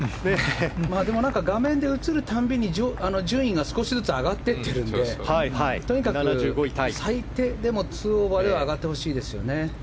でも画面で映る度に順位が少しずつ上がっていってるんでとにかく最低でも２オーバーで上がってほしいですね